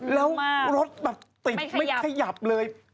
แล้วรถแบบติดไม่ขยับเลย